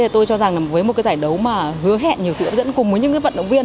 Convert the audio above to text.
tôi cho rằng với một giải đấu mà hứa hẹn nhiều sự hấp dẫn cùng với những vận động viên